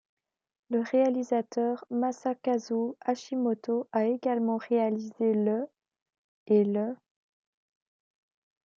Le réalisateur Masakazu Hashimoto a également réalisé le ' et le '.